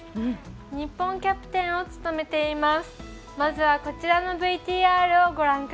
日本キャプテンを務めています。